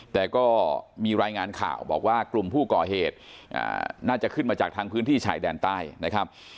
แต่ก็มีรายงานข่าวบอกว่ากลุ่มผู้ก่อเหตุน่าจะขึ้นมาจากทางพื้นที่ชายแดนใต้นะครับ